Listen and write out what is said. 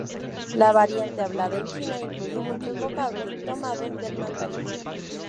La variante hablada en China incluye muchos vocablos tomados del mandarín.